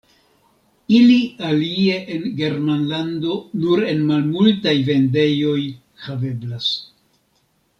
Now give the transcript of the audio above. Ili alie en Germanlando nur en malmultaj vendejoj haveblas.